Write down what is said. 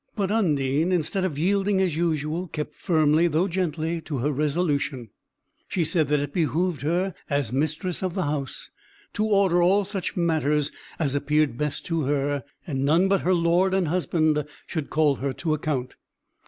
But Undine, instead of yielding as usual, kept firmly, though gently, to her resolution; she said that it behooved her, as mistress of the house, to order all such matters as appeared best to her, and none but her lord and husband should call her to account.